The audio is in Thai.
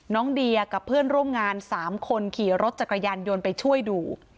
น้องเดียกับเพื่อนร่วมงาน๓คนขี่รถจักรยานยนต์ไปช่วยดู